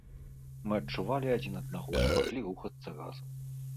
Мы адчувалі адзін аднаго і маглі рухацца разам.